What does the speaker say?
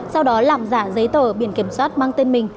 sau đó làm giả giấy tờ biển kiểm soát mang tên mình